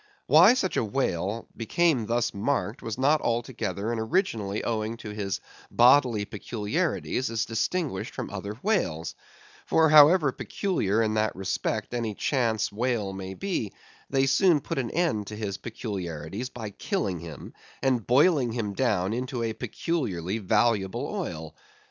Why such a whale became thus marked was not altogether and originally owing to his bodily peculiarities as distinguished from other whales; for however peculiar in that respect any chance whale may be, they soon put an end to his peculiarities by killing him, and boiling him down into a peculiarly valuable oil.